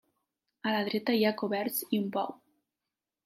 A la dreta hi ha coberts i un pou.